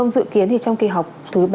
dự kiến trong kỳ học thứ ba